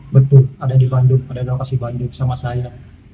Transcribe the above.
betul ada di bandung ada di lokasi bandung sama saya